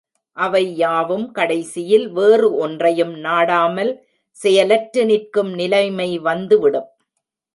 அவை யாவும் கடைசியில் வேறு ஒன்றையும் நாடாமல் செயலற்று நிற்கும் நிலைமை வந்து விடும்.